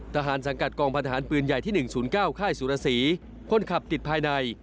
สังกัดกองพันธหารปืนใหญ่ที่๑๐๙ค่ายสุรสีคนขับติดภายใน